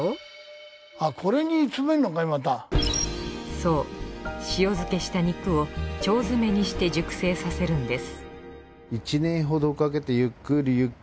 そう塩漬けした肉を腸詰めにして熟成させるんです